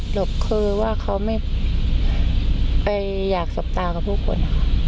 หรอกคือว่าเขาไม่ไปอยากสบตากับผู้คนนะคะ